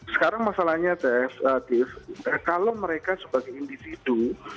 sekarang masalahnya kalau mereka sebagai individu